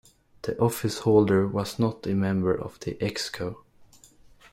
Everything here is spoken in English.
The office holder was not a member of the ExCo.